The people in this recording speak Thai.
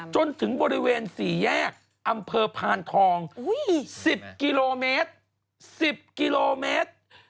จนถึงบริเวณ๔แยกอำเภอพานทอง๑๐กิโลเมตร๑๐กิโลเมตร